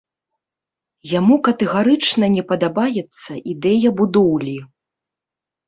Яму катэгарычна не падабаецца ідэя будоўлі.